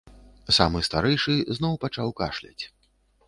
Самы старэйшы зноў пачаў кашляць.